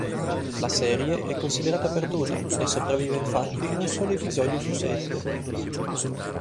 La serie è considerata perduta, ne sopravvive infatti un solo episodio su sette.